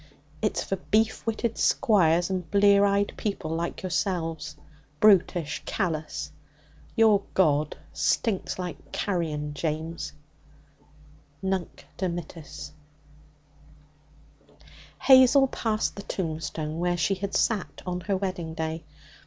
It's for beef witted squires and blear eyed people like yourselves brutish, callous. Your God stinks like carrion, James.' Nunc Dimittis. Hazel passed the tombstone where she had sat on her wedding day.